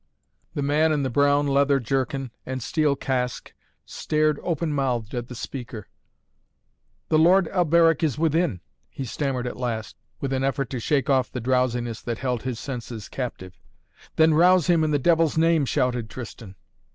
The man in the brown leather jerkin and steel casque stared open mouthed at the speaker. "The Lord Alberic is within " he stammered at last, with an effort to shake off the drowsiness that held his senses captive. "Then rouse him in the devil's name," shouted Tristan.